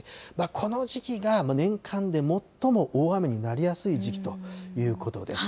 この時期が年間で最も大雨になりやすい時期ということです。